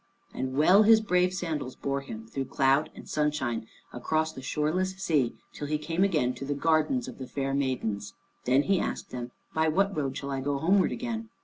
And well his brave sandals bore him through cloud and sunshine across the shoreless sea, till he came again to the gardens of the fair maidens. Then he asked them, "By what road shall I go homeward again?"